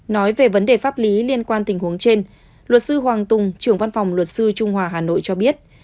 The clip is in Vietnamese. nói về vấn đề pháp lý liên quan tình huống trên luật sư hoàng tùng trưởng văn phòng luật sư trung hòa hà nội cho biết